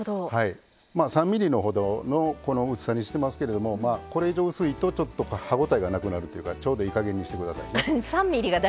３ｍｍのほどの薄さにしてますけどこれ以上薄いと歯応えがなくなるというかちょうどええ加減にしてください。